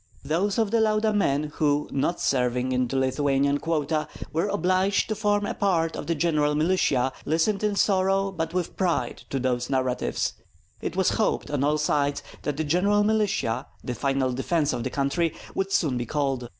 Those of the Lauda men who, not serving in the Lithuanian quota, were obliged to form a part of the general militia, listened in sorrow but with pride to these narratives. It was hoped on all sides that the general militia, the final defence of the country, would soon be called.